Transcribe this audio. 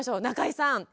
中井さん。